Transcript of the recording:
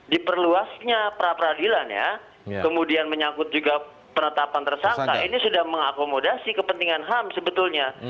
diperluasnya pra peradilan ya kemudian menyangkut juga penetapan tersangka ini sudah mengakomodasi kepentingan ham sebetulnya